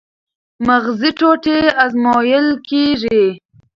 مغزي ټوټې ازمویل کېږي.